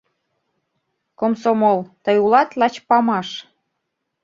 Комсомол, тый улат лач памаш